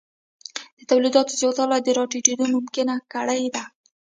د تولیدیت زیاتوالی دا راټیټېدنه ممکنه کړې ده